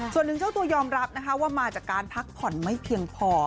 ส่วนหนึ่งเจ้าตัวยอมรับนะคะว่ามาจากการพักผ่อนไม่เพียงพอ